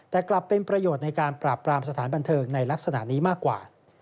แต่กลับเป็นประโยชน์ในการปราบปรามสถานบันเทิงในลักษณะนี้มากกว่า